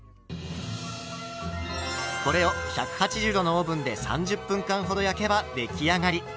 これを１８０℃のオーブンで３０分間ほど焼けば出来上がり。